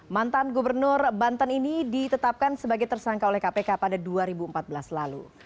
mantan gubernur banten ini ditetapkan sebagai tersangka oleh kpk pada dua ribu empat belas lalu